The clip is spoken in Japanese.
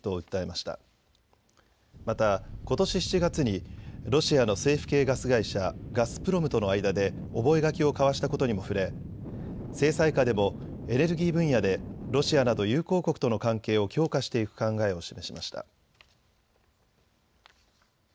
また、ことし７月にロシアの政府系ガス会社、ガスプロムとの間で覚書を交わしたことにも触れ制裁下でもエネルギー分野でロシアなど友好国との関係を強化していく考えを示しました。